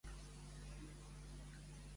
Quin caràcter tenir Licàon en altres versions?